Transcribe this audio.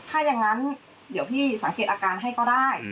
ถ้าอย่างนั้นเดี๋ยวพี่สังเกตอาการให้ก็ได้